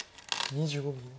２５秒。